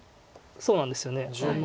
そうなんですよね。